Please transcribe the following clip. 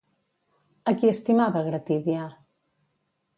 A qui estimava Gratídia?